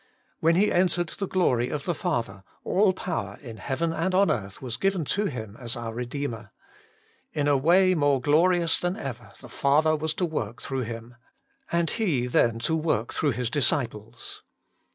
When He entered the glory of the Father, all power in heaven and on earth was given to Him as our Redeemer. In a way more glorious than ever the Father was to work through Him; and He then to work through His disciples.